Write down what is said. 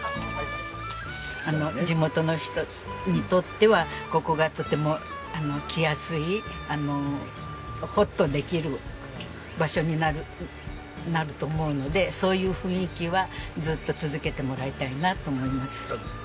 地元の人にとってはここがとても来やすいほっとできる場所になると思うのでそういう雰囲気はずっと続けてもらいたいなと思います。